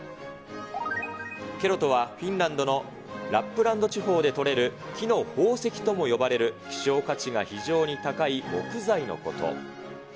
ケロとはフィンランドのラップランド地方で採れる木の宝石とも呼ばれる希少価値が非常に高い木材のこと。